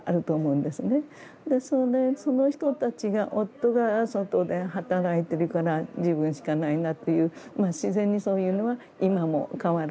その人たちが夫が外で働いてるから自分しかないなっていう自然にそういうのは今も変わらずあるとは思うんですね。